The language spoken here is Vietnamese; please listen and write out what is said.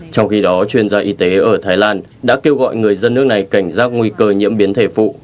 trong khi đó chuyên gia y tế ở thái lan đã kêu gọi người dân nước này cảnh giác nguy cơ nhiễm biến thể phụ